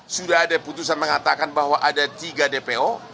sudah ada putusan mengatakan bahwa ada tiga dpo